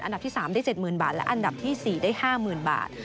อันดับที่๓ได้๗๐๐บาทและอันดับที่๔ได้๕๐๐๐บาท